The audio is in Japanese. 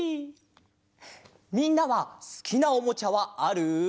みんなはすきなおもちゃはある？